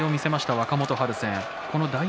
若元春戦。